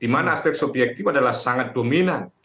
dimana aspek subjektif adalah sangat dominan